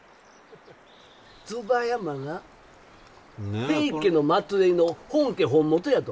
椿山が平家の末えいの本家本元やと。